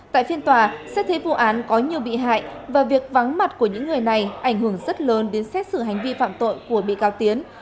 tại phiên tòa xét thấy vụ án có nhiều bị hại và việc vắng mặt của những người này ảnh hưởng rất lớn đến xét xử hành vi phạm tội của bị cáo tiến